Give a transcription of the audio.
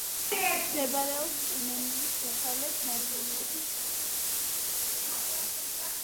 მდებარეობს იემენის დასავლეთ ნაწილში.